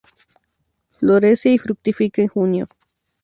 Florece y fructifica en junio.